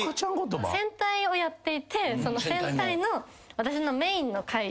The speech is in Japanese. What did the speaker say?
戦隊をやっていてその戦隊の私のメインの回で。